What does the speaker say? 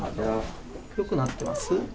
よくなってます？